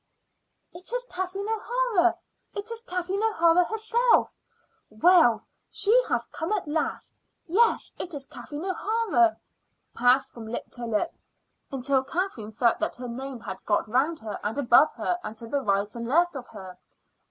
"It is Kathleen O'Hara;" "It is Kathleen O'Hara herself;" "Well, she has come at last;" "Yes, it is Kathleen O'Hara," passed from lip to lip, until Kathleen felt that her name had got round her and above her and to right and left of her.